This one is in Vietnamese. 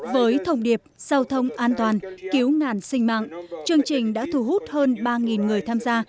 với thông điệp giao thông an toàn cứu ngàn sinh mạng chương trình đã thu hút hơn ba người tham gia